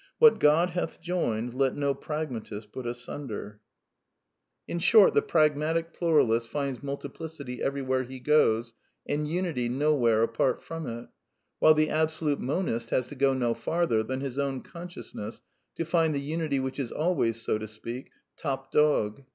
What God hath joined, let no pragmatist put asunder. ^^ to 138 A DEFENCE OF IDEALISM In short, the pragmatic pluralist finds multiplicity every where he goes and unity nowhere apart from it ; while the absolute monist has to go no farther than his own conscious ness to find the unity which is always, so to speak, top dog.